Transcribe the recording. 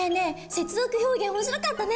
「接続表現」面白かったね。